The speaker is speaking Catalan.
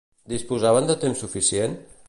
Disposaven de temps suficient?